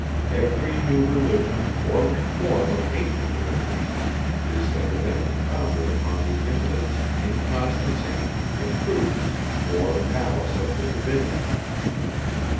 Every new religion, or reform of ancient religions, is evidently founded upon the impotence, inconstancy, imprudence, or malice of the Divinity.